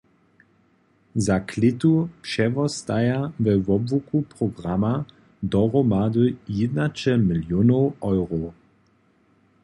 Za klětu přewostaja we wobłuku programa dohromady jědnaće milionow eurow.